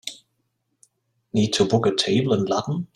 need to book a table in Ludden